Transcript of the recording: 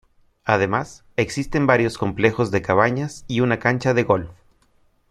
Además, existen varios complejos de cabañas y una cancha de golf.